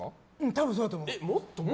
多分そうだと思う。